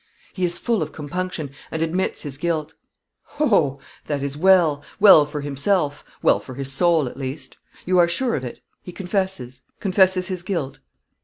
"He is full of compunction, and admits his guilt." "Ho! that is well well for himself well for his soul, at least; you are sure of it; he confesses; confesses his guilt?"